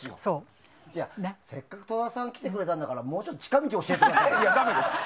せっかく戸田さん来てくれたんだからもうちょっと近道を教えてくださいよ。